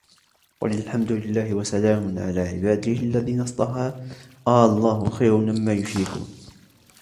قل الحمد لله وسلام على عباده الذين اصطفى آلله خير أما يشركون